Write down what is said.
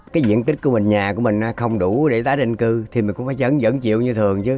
cái diện tích của mình nhà của mình không đủ để tái định cư thì mình cũng phải chấn vẫn chịu như thường chứ